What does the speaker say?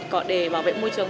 còn để bảo vệ môi trường